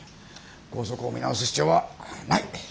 校則を見直す必要はない。